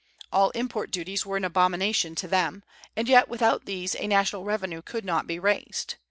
All import duties were an abomination to them, and yet without these a national revenue could not be raised.